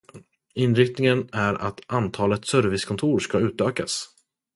Inriktningen är att antalet servicekontor ska utökas.